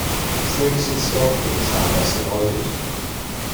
Snakes and scorpions are best avoided.